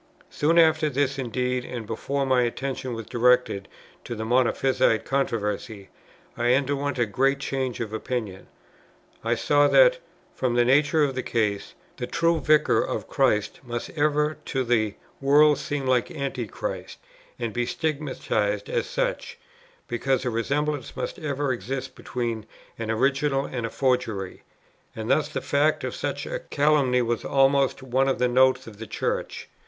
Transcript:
Soon after this indeed, and before my attention was directed to the Monophysite controversy, I underwent a great change of opinion. I saw that, from the nature of the case, the true Vicar of Christ must ever to the world seem like Antichrist, and be stigmatized as such, because a resemblance must ever exist between an original and a forgery; and thus the fact of such a calumny was almost one of the notes of the Church.